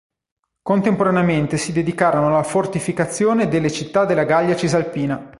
Contemporaneamente si dedicarono alla fortificazione delle città della Gallia cisalpina.